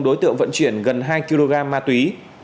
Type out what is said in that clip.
đối tượng vận chuyển gần hai kg ma túy